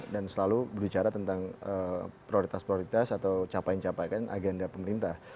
dan selalu berbicara tentang prioritas prioritas atau capaikan agenda pemerintah